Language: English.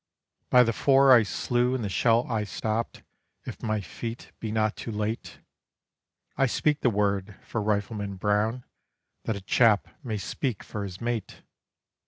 By the four I slew and the shell I stopped, if my feet be not too late, I speak the word for Rifleman Brown that a chap may speak for his mate!"